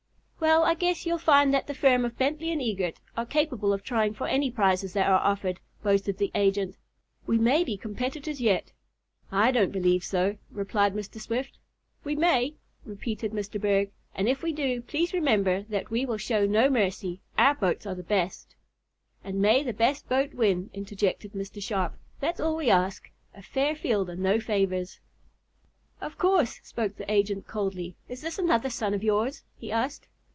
"Well, I guess you'll find that the firm of Bentley & Eagert are capable of trying for any prizes that are offered," boasted the agent. "We may be competitors yet." "I don't believe so," replied Mr. Swift. "We may," repeated Mr. Berg. "And if we do, please remember that we will show no mercy. Our boats are the best." "And may the best boat win," interjected Mr. Sharp. "That's all we ask. A fair field and no favors." "Of course," spoke the agent coldly. "Is this another son of yours?" he asked.